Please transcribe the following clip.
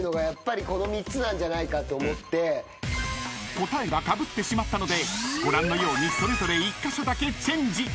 ［答えがかぶってしまったのでご覧のようにそれぞれ１カ所だけチェンジ］